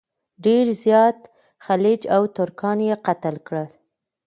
ډېر زیات خلج او ترکان یې قتل کړل.